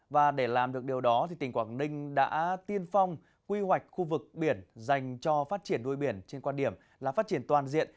và để làm được điều đó tỉnh quảng ninh đã tiên phong quy hoạch khu vực biển dành cho phát triển nuôi biển trên quan điểm là phát triển toàn diện